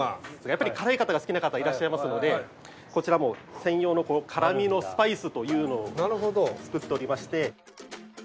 やっぱり辛いのが好きな方いらっしゃいますのでこちら専用の辛みのスパイスというのを作っておりまして。